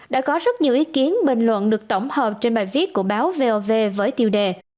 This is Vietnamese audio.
đã có rất nhiều ý kiến bình luận được tổng hợp trên bài viết của báo vov với tiêu đề